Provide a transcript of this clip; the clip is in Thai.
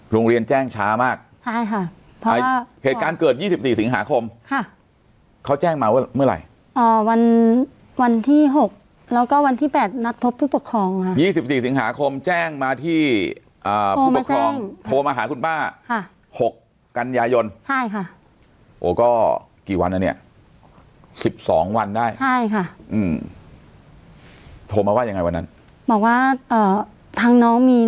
โรงเรียนแจ้งช้ามากใช่ค่ะเพราะว่าเหตุการณ์เกิดยี่สิบสี่สิงหาคมค่ะเขาแจ้งมาเมื่อไหร่อ่าวันวันที่หกแล้วก็วันที่แปดนัดพบผู้ปกครองค่ะยี่สิบสี่สิงหาคมแจ้งมาที่อ่าผู้ปกครองโทรมาแจ้งโทรมาหาคุณป้าค่ะหกกันยายนใช่ค่ะโอ้ก็กี่วันนั้นเนี้ยสิบสองวันได้ใช่ค่ะอืมโทรมาว่ายังไง